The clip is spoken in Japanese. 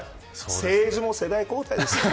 政治も世代交代です。